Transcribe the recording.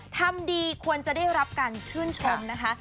ทำดีควรจะได้รับการชื่นชมนะคะ